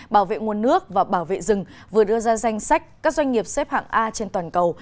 bảo vệ nguồn nước và bảo vệ rừng vừa đưa ra danh sách các doanh nghiệp xếp hạng a trên toàn cầu